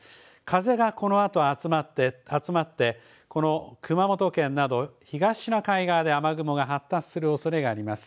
風がこのあと集まってこの熊本県など東シナ海側で雨雲が発達するおそれがあります。